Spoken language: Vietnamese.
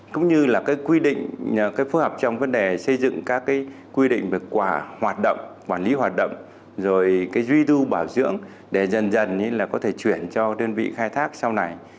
cũng như là phối hợp trong vấn đề xây dựng các quy định về quả hoạt động quản lý hoạt động rồi duy du bảo dưỡng để dần dần có thể chuyển cho đơn vị khai thác sau này